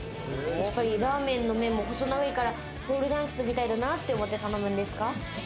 ラーメンの麺も細長いからポールダンスみたいだなと思って頼むんですか？